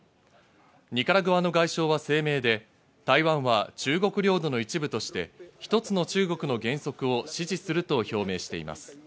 ニカラグアの外相は声明で、台湾は中国領土の一部として一つの中国の原則を支持すると表明しています。